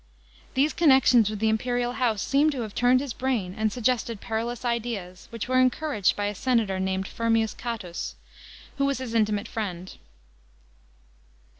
These connections with the imperial house seem to have turned his brain and suggested perilous ideas, which were encouraged by a senator named Firmius Catus, who was his intimate friend.